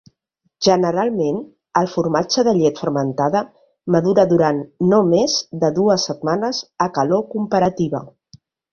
Generalment, el formatge de llet fermentada madura durant no més de dues setmanes a calor comparativa.